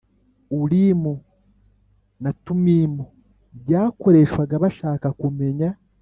Urimu na Tumimu byakoreshwaga bashaka kumenya